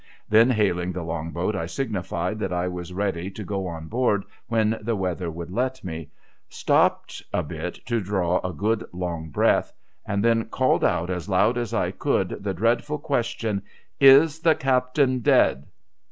Then, hailing the Long boat, I signified that I was ready to go on board when the weather would let me— stopped a bit to draw a ivS 'IHK WRKCK Ul' THE GULDEN MARY good long hrcatli and then called out as loud as I could the dreadful question :' Is tlie captain dead